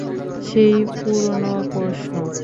সেই পুরোনো প্রশ্ন।